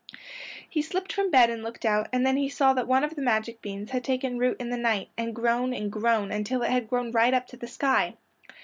He slipped from bed and looked out, and then he saw that one of the magic beans had taken root in the night and grown and grown until it had grown right up to the sky.